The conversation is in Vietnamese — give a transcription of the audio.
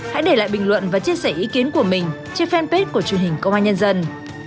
hãy để lại bình luận và chia sẻ ý kiến của mình trên fanpage của truyền hình công an nhân dân